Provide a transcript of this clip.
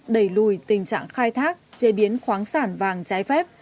đẩy lùi tình trạng khai thác chế biến khoáng sản vàng trái phép